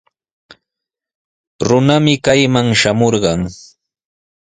Runami kayman shamurqun.